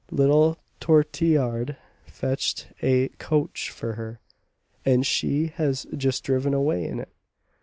Little Tortillard fetched a coach for her, and she has just driven away in it.